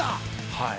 はい。